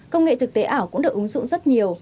công nghệ thực tế ảo cũng được ứng dụng rất nhiều